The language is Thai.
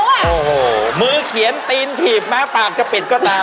โอ้โหมือเขียนตีนถีบแม้ปากจะปิดก็ตาม